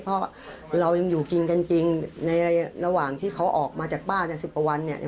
เพราะเรายังอยู่กินกันจริงในระหว่างที่เขาออกมาจากบ้าน๑๐กว่าวันเนี่ย